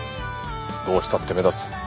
どうしたって目立つ。